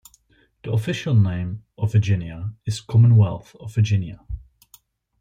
The official name of Virginia is "Commonwealth of Virginia".